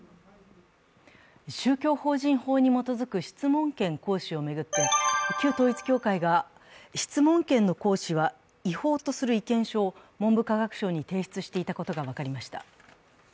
宗教法人法に基づく質問権行使を巡って旧統一教会が質問権の行使は違法とする意見書を文部科学省に提出していたことが分かりました。